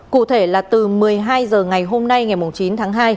cụ thể là từ một mươi hai h ngày hôm nay ngày chín tháng hai